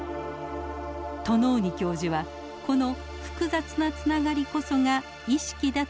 トノーニ教授はこの複雑なつながりこそが意識だと考えました。